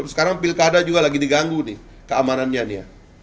sekarang pilkada juga lagi diganggu nih keamanannya nih ya